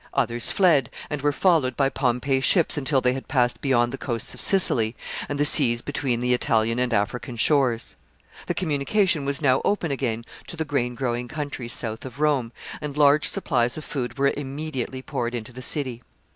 Others fled, and were followed by Pompey's ships until they had passed beyond the coasts of Sicily, and the seas between the Italian and African shores. The communication was now open again to the grain growing countries south of Rome, and large supplies of food were immediately poured into the city.